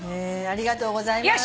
ありがとうございます。